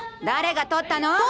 誰が取ったの？